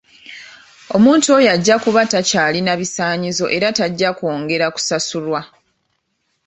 Omuntu oyo ajja kuba takyalina bisaanyizo era tajja kwongera kusasulwa.